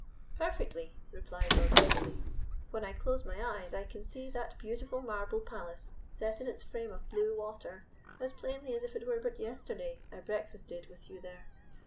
"Perfectly," replied Lord Amberley. "When I close my eyes I can see that beautiful marble palace, set in its frame of blue water as plainly as if it were but yesterday I breakfasted with you there."